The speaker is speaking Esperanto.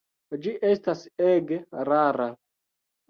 Ĝi estas ege rara.